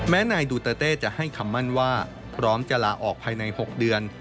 นายดูเตอร์เต้จะให้คำมั่นว่าพร้อมจะลาออกภายใน๖เดือน